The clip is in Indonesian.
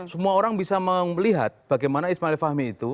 semua orang bisa melihat bagaimana ismail fahmi itu